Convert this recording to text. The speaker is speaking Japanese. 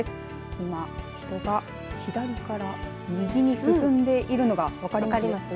今、人が左から右に進んでいるのが分かりますね。